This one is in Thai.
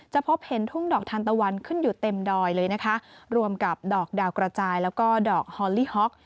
พบเห็นทุ่งดอกทานตะวันขึ้นอยู่เต็มดอยเลยนะคะรวมกับดอกดาวกระจายแล้วก็ดอกฮอลลี่ฮ็อก